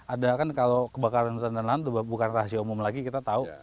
ada kan kalau kebakaran hutan dan lahan bukan rahasia umum lagi kita tahu